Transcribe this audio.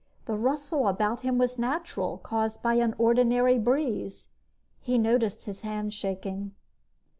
The rustle about him was natural, caused by an ordinary breeze. He noticed his hands shaking.